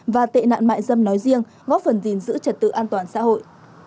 và tệ nạn mại dâm nói riêng góp phần gìn giữ trật tự an toàn xã hội